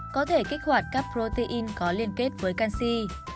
có thể kích hoạt các protein có liên kết với canxi